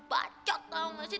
bacot tau gak sih